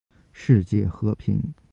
世界和平